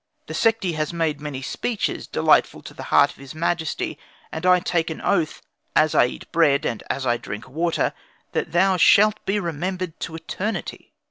The Sekhti has made many speeches, delightful to the heart of his majesty and I take an oath as I eat bread, and as I drink water that thou shalt be remembered to eternity."